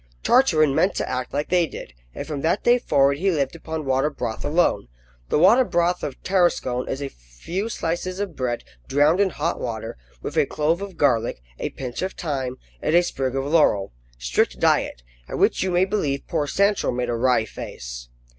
Tartarin meant to act like they did, and from that day forward he lived upon water broth alone. The water broth of Tarascon is a few slices of bread drowned in hot water, with a clove of garlic, a pinch of thyme, and a sprig of laurel. Strict diet, at which you may believe poor Sancho made a wry face.